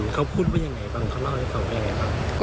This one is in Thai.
เขาพูดว่ายังไงบ้างเขาเล่าให้ฟังว่ายังไงบ้าง